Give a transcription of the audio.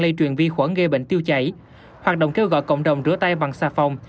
lây truyền vi khuẩn gây bệnh tiêu chảy hoạt động kêu gọi cộng đồng rửa tay bằng xà phòng